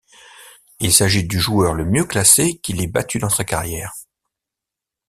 Il s'agit du joueur le mieux classé qu'il ait battu dans sa carrière.